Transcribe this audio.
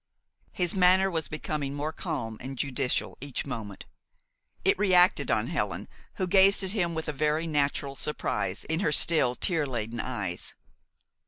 His manner was becoming more calm and judicial each moment. It reacted on Helen, who gazed at him with a very natural surprise in her still tear laden eyes.